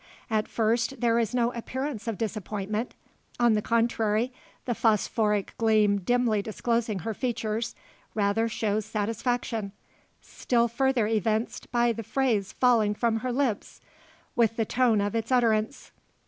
At first there is no appearance of disappointment. On the contrary, the phosphoric gleam dimly disclosing her features, rather shows satisfaction still further evinced by the phrase falling from her lips, with the tone of its utterance.